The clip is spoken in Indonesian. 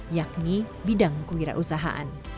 yakni bidang kewirausahaan